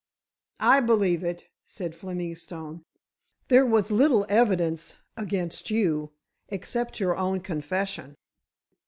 "I believe it," said Fleming Stone. "There was little evidence against you, except your own confession.